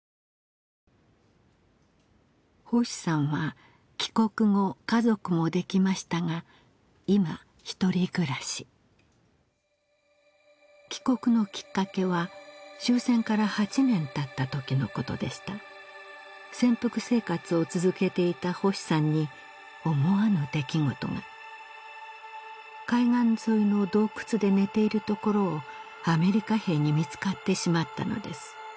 星さんは帰国後家族もできましたが今ひとり暮らし帰国のきっかけは終戦から８年たったときのことでした潜伏生活を続けていた星さんに思わぬ出来事が海岸沿いの洞窟で寝ているところをアメリカ兵に見つかってしまったのです